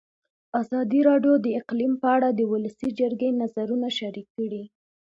ازادي راډیو د اقلیم په اړه د ولسي جرګې نظرونه شریک کړي.